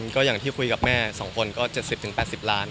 ก็อย่างที่คุยกับแม่๒คนก็๗๐๘๐ล้าน